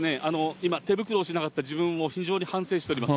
今、手袋をしなかった自分を非常に反省しております。